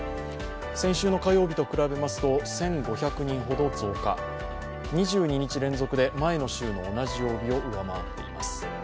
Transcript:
先週の火曜日と比べますと１５００人ほど増加、２２日連続で前の週の同じ曜日を上回っています。